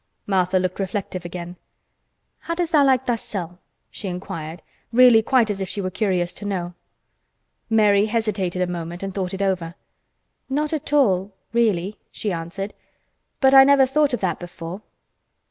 Martha looked reflective again. "How does tha' like thysel'?" she inquired, really quite as if she were curious to know. Mary hesitated a moment and thought it over. "Not at all—really," she answered. "But I never thought of that before."